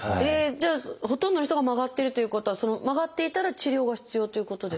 じゃあほとんどの人が曲がってるということは曲がっていたら治療が必要ということですか？